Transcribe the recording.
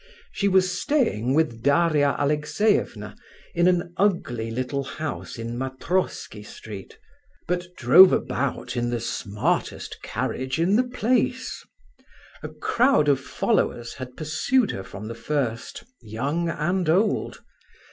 She was staying with Daria Alexeyevna, in an ugly little house in Mattrossky Street, but drove about in the smartest carriage in the place. A crowd of followers had pursued her from the first, young and old.